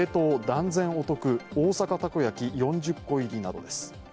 断然お得大阪たこ焼４０個入りなどです。